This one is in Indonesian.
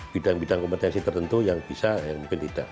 bidang bidang kompetensi tertentu yang bisa yang mungkin tidak